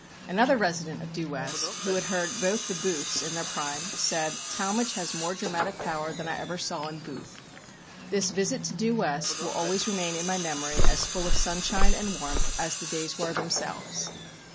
Another resident of Due West, who had heard both the Booths in their prime, said, "Talmage has more dramatic power than I ever saw in Booth." This visit to Due West will always remain in my memory as full of sunshine and warmth as the days were themselves.